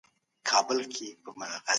د خدماتو او اجناسو توليد وده کوي.